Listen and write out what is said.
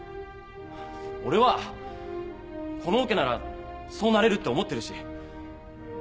俺はこのオケならそうなれるって思ってるし。